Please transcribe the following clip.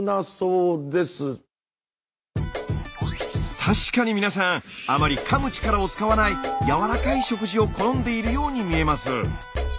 確かに皆さんあまりかむ力を使わないやわらかい食事を好んでいるように見えます。